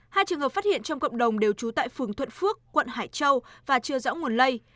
hai trường hợp phát hiện trong cộng đồng đều trú tại phường thuận phước quận hải châu và chưa rõ nguồn lây